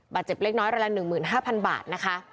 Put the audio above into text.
เจ็บเล็กน้อยรายละ๑๕๐๐๐บาทนะคะ